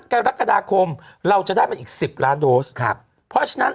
กรกฎาคมเราจะได้เป็นอีกสิบล้านโดสครับเพราะฉะนั้น